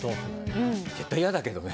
絶対嫌だけどね。